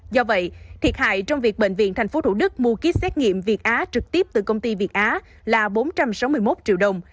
do vậy thiệt hại trong việc bệnh viện tp thủ đức mua kýt xét nghiệm việt á trực tiếp từ công ty việt á là bốn trăm sáu mươi một triệu đồng